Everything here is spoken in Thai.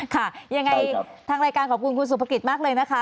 ค่ะยังไงทางรายการขอบคุณคุณสุภกิจมากเลยนะคะ